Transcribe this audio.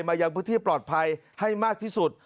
ยังพื้นที่ปลอดภัยให้มากที่สุด